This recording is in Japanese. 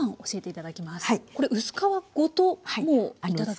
これ薄皮ごともういただく？